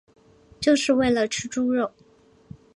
就是为了吃猪肉